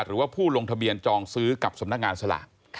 หรือว่าผู้ลงทะเบียนจองซื้อกับสำนักงานสลาก